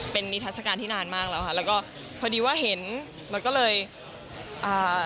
เป็นนิทัศกาลที่นานมากแล้วค่ะแล้วก็พอดีว่าเห็นมันก็เลยอ่า